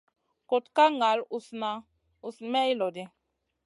Kuɗ ka ŋal usna usna may lodi.